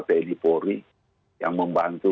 teddy pory yang membantu